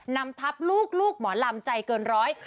นำทับลูกหมอลำใจเกินร้อย